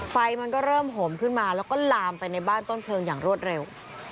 ไฟมันก็เริ่มห่มขึ้นมาแล้วก็ลามไปในบ้านต้นเพลิงอย่างรวดเร็ว